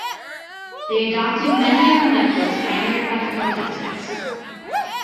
They adopted many of the methods pioneered by the Protestants.